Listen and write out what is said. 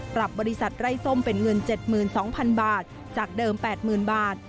ปรับบริษัทไร้ส้มเป็นเงิน๗๒๐๐๐บาทจากเดิม๘๐๐๐บาท